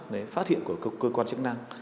đấy phát hiện của cơ quan chức năng